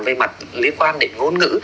về mặt liên quan đến ngôn ngữ